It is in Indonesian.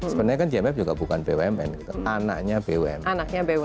sebenarnya kan gmf juga bukan bumn gitu anaknya bumn